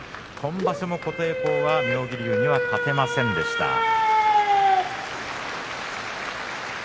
今場所も琴恵光は妙義龍には勝てませんでした。